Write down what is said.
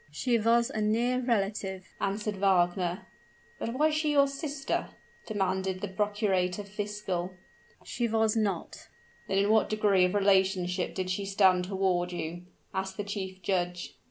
"She was a near relative," answered Wagner. "But was she your sister?" demanded the procurator fiscal. "She was not." "Then in what degree of relationship did she stand toward you?" asked the chief judge.